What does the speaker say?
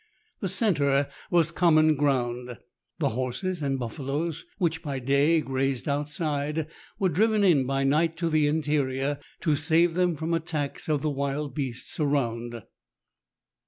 The centre was common ground. The horses and buffaloes, which by day grazed outside, were driven in by night to the interior, to save them from attacks of the wild beasts around.